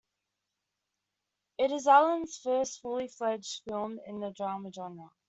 It is Allen's first fully-fledged film in the drama genre.